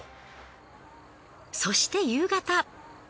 そして夕方。